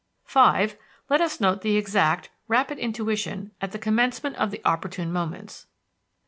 (5) Let us note the exact, rapid intuition at the commencement of the opportune moments.